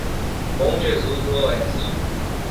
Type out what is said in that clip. Bom Jesus do Oeste